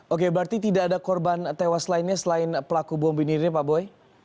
oke berarti tidak ada korban tewas lainnya selain pelaku bom bunuh dirinya pak boy